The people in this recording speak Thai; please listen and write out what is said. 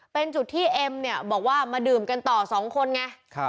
เป็นจุดที่เอ็มเนี่ยบอกว่ามาดื่มกันต่อ๒คนไง